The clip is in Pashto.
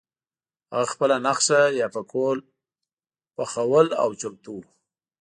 هغه خپله نښه یا پکول پخول او چمتو وو.